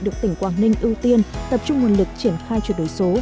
được tỉnh quảng ninh ưu tiên tập trung nguồn lực triển khai chuyển đổi số